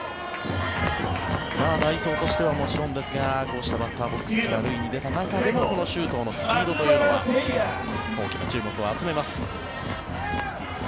代走としてはもちろんですがこうしたバッターボックスから塁に出た中での周東のスピードというのは大きな注目を集めます。